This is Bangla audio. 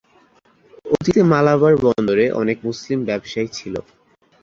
অতীতে মালাবার বন্দরে অনেক মুসলিম ব্যবসায়ী ছিল।